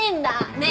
ねえ！